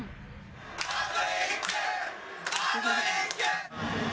あと一球！